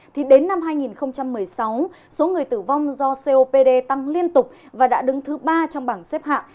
thì đến năm hai nghìn một mươi sáu số người tử vong do copd tăng liên tục và đã đứng thứ ba trong bảng xếp hạng